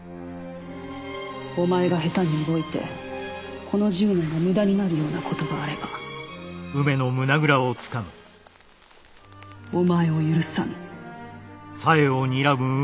お前が下手に動いてこの１０年が無駄になるようなことがあればお前を許さぬ。